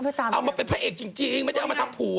เอามาเป็นพระเอกจริงไม่ได้เอามาทำผัว